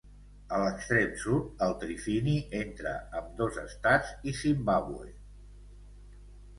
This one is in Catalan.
A l'extrem sud el trifini entre ambdós estats i Zimbàbue.